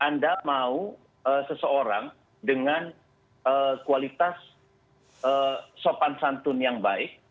anda mau seseorang dengan kualitas sopan santun yang baik